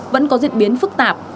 vẫn có diễn biến phức tạp